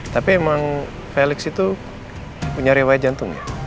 tapi emang felix itu punya riwayat jantung ya